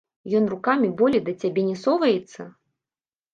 Ён рукамі болей да цябе не соваецца?